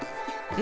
え？